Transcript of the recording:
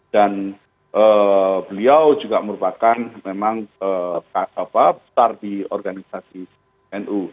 dan beliau juga merupakan memang star di organisasi nu